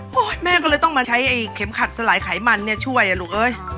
โธ่แม่ก็เลยต้องมาใช้ไอ้เข็มค่าสลายไขมันช่วยลูกเอ้ย